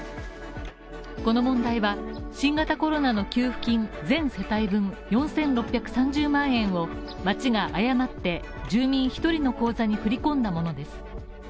この問題は、新型コロナの給付金、全世帯分４６３０万円を町が誤って住民１人の口座に振り込んだものです。